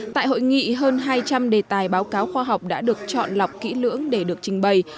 tại hội nghị hơn hai trăm linh đề tài báo cáo khoa học đã được chọn lọc kỹ lưỡng để được trình bày